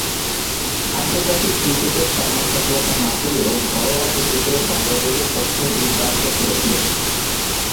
আন্তর্জাতিক ক্রিকেটে তেমন সফলতা না পেলেও ঘরোয়া ক্রিকেটে বার্বাডোসের পক্ষে দূর্দান্ত খেলেছিলেন।